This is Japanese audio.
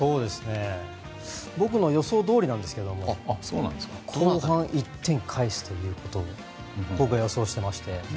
僕の予想どおりなんですけど後半１点返すということを僕は予想していまして。